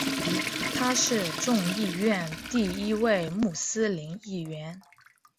他是众议院第一位穆斯林议员。